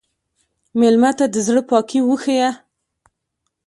مېلمه ته د زړه پاکي وښیه.